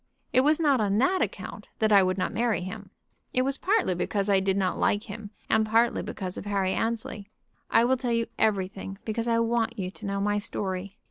It was not on that account that I would not marry him. It was partly because I did not like him, and partly because of Harry Annesley. I will tell you everything because I want you to know my story.